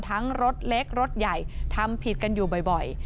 รถเล็กรถใหญ่ทำผิดกันอยู่บ่อย